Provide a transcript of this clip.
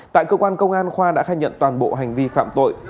tại cơ quan công an khoa đã khai nhận toàn bộ hành vi phạm tội